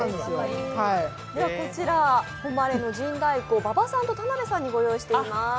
こちら、誉の陣太鼓、馬場さんと田辺さんにご用意しています。